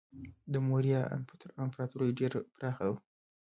د موریا امپراتوري ډیره پراخه وه.